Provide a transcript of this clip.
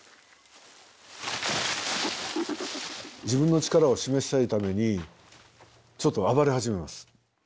自分の力を示したいためにちょっと暴れ始めます。